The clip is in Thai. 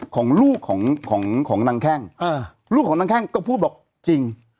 ของลูกของของนางแข้งลูกของนางแข้งก็พูดบอกจริง